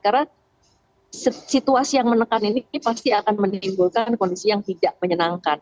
karena situasi yang menekan ini pasti akan menimbulkan kondisi yang tidak menyenangkan